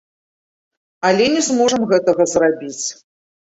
Але не зможам гэтага зрабіць.